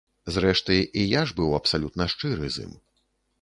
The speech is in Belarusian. Зрэшты, і я ж быў абсалютна шчыры з ім.